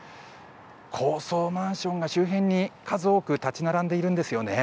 高層マンションが周辺に数多く建ち並んでいるんです。